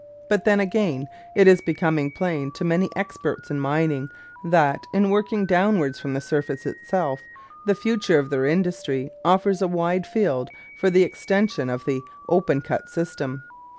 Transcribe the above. But then, again, it is becoming plain to many experts in mining that, in working downwards from the surface itself, the future of their industry offers a wide field for the extension of the open cut system.